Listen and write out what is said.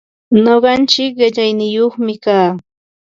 Nuqaichik qillaniyuqmi kaa.